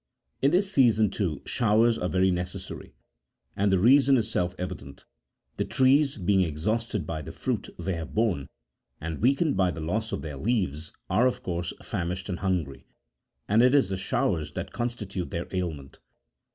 In this season, too, showers are very necessary, and the rea son is self evident — the trees, being exhausted by the fruit they have borne, and weakened by the loss of their leaves, are, of course, famished and hungry ; and it is the showers that constitute their aliment.